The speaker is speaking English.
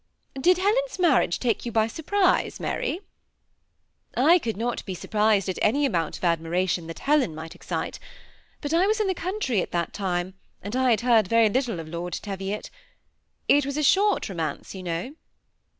"Did Helen's marriage take you by surprise, Maiy?" 6 98 THE SEMI ATTACHED COUPLE. ^I oould not be surprised at anj amount of admi ration that Helen might excite; but I was in the country at the time, and I had heard verj little of Lord Teviot. It was a short romance, you know."